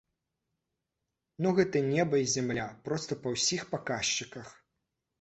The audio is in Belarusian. Ну гэта неба і зямля проста па ўсіх паказчыках!